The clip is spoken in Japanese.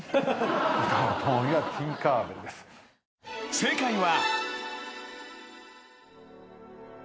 ［正解は］